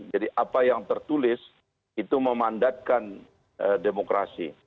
jadi apa yang tertulis itu memandatkan demokrasi